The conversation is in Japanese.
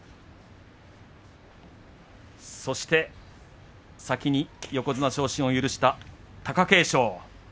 そして先に横綱昇進を許した貴景勝。